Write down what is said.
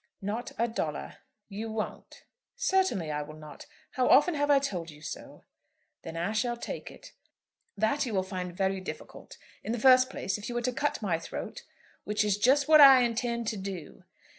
"Not a dollar." "You won't?" "Certainly I will not. How often have I told you so." "Then I shall take it." "That you will find very difficult. In the first place, if you were to cut my throat " "Which is just what I intend to do."